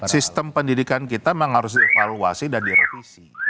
sistem pendidikan kita memang harus dievaluasi dan direvisi